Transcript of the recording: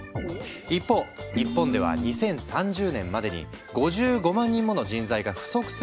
一方日本では２０３０年までに５５万人もの人材が不足するとの予測が。